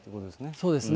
そうですね。